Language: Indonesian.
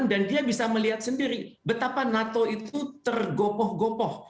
dia bisa melihat sendiri betapa nato itu tergopoh gopoh